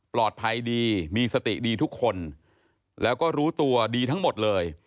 ปลอดภัยดีมีสติดีทุกคนแล้วก็รู้ตัวดีทั้งหมดเลย